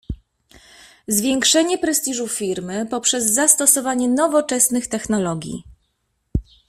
Zwiększenie prestiżu Firmy poprzez zastosowanie nowoczesnych technologii